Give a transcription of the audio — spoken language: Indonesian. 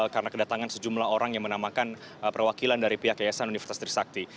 karena kedatangan sejumlah orang yang menamakan perwakilan dari pihak yayasan universitas trisakti